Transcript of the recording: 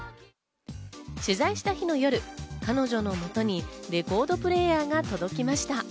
取材した日の夜、彼女のもとにレコードプレーヤーが届きました。